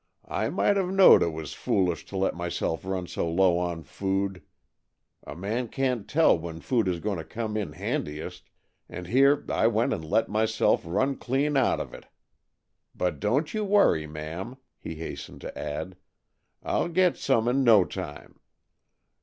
"I might have knowed it was foolish to let myself run so low on food. A man can't tell when food is going to come in handiest, and here I went and let myself run clean out of it. But don't you worry, ma'am," he hastened to add, "I'll get some in no time.